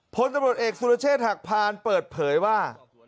โพสต์ตำรวจเอกศุลเชษฐกภาณ์เปิดเผยว่า